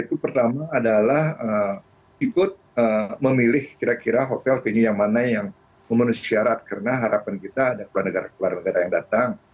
yang pertama adalah ikut memilih kira kira hotel venue yang mana yang memenuhi syarat karena harapan kita dan kepulauan negara kepulauan negara yang datang